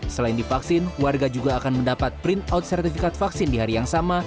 selain divaksin warga juga akan mendapat print out sertifikat vaksin di hari yang sama